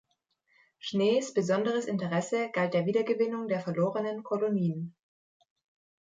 Schnees besonderes Interesse galt der Wiedergewinnung der verlorenen Kolonien.